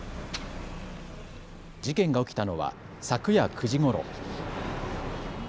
事件が起きたのは昨夜９時ごろ。